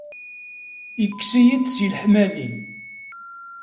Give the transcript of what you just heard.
Ikkes-iyi-d si leḥmali.